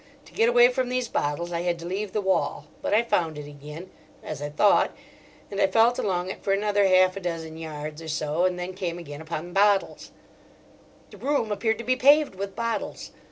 To get away from these bottles I had to leave the wall; but I found it again, as I thought, and I felt along it for another half a dozen yards or so and then came again upon bottles: the room appeared to be paved with bottles.